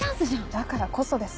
だからこそです。